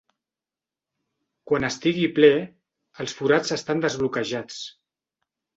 Quan estigui ple, els forats estan desbloquejats.